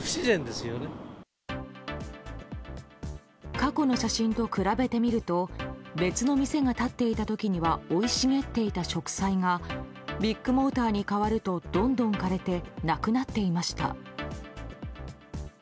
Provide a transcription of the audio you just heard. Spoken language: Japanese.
過去の写真と比べてみると別の店が立っていた時には生い茂っていた植栽がビッグモーターに変わるとどんどん枯れてなくなっていました。